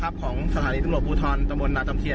พี่ชื่ออะไรครับเนี้ย